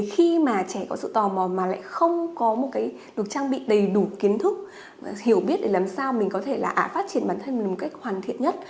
khi mà trẻ có sự tò mò mà lại không có một trang bị đầy đủ kiến thức hiểu biết làm sao mình có thể phát triển bản thân mình một cách hoàn thiện nhất